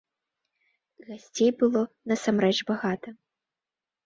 Гасцей было насамрэч багата.